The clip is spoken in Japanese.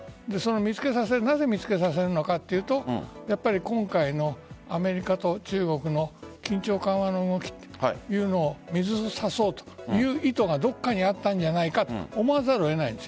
なぜ見つけさせるのかというと今回のアメリカと中国の緊張緩和の動きというのを水を誘うという意図がどこかにあったんじゃないかと思わざるを得ないんです。